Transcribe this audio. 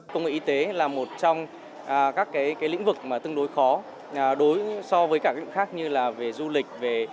công nghệ y tế là một trong các lĩnh vực tương đối khó so với các lĩnh vực khác như du lịch